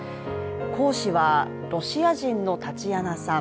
講師はロシア人のタチアナさん